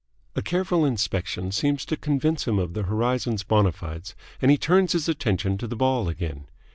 A careful inspection seems to convince him of the horizon's bona fides, and he turns his attention to the ball again.